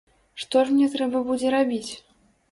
Што ж мне трэба будзе рабіць?